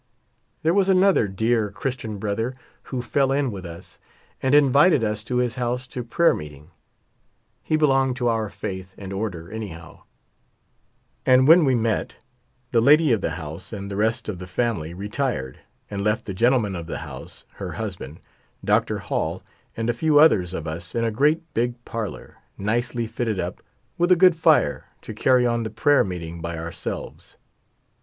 There was another dear. Christian brother who fell in with us and invited us to his house to prayer meet ing. He belonged to our faith and order, anyhow. And when we met, the lady of the house and the rest of the familj' retired and left the gentleman of the hovise, her husband. Dr. Hall, and a few others of us in a great big parlor, nicely fitted up, with a good fire, to carry on the pra3^er meeting by ourselves.